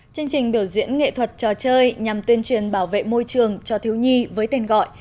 chương trình biểu diễn nghệ thuật trò chơi nhằm tuyên truyền bảo vệ môi trường cho thiếu nhi với tên gọi